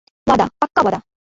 ওয়াদা, - পাক্কা ওয়াদা।